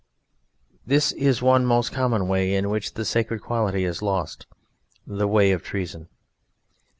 This is one most common way in which the sacred quality is lost: the way of treason.